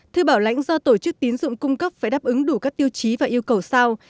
thư bảo lãnh do tổ chức tín dụng cung cấp phải đáp ứng đủ các tiêu chí và yêu cầu sau